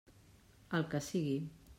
El que sigui.